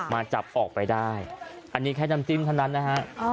มาจับออกไปได้อันนี้แค่น้ำจิ้มเท่านั้นนะฮะ